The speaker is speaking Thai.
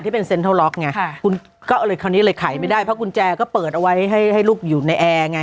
เป็นเซ็นทรัลล็อกไงคุณก็เลยคราวนี้เลยขายไม่ได้เพราะกุญแจก็เปิดเอาไว้ให้ให้ลูกอยู่ในแอร์ไง